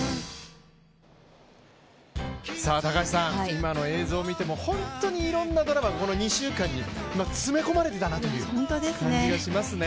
今の映像を見ても本当にいろんなドラマがこの２週間に詰め込まれていたなという感じがしますね。